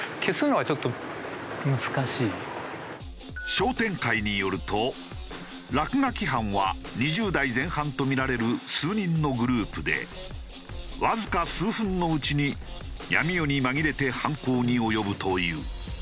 商店会によると落書き犯は２０代前半とみられる数人のグループでわずか数分のうちに闇夜に紛れて犯行に及ぶという。